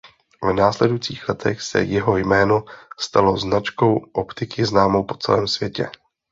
V následujících letech se jeho jméno stalo značkou optiky známou po celém světě.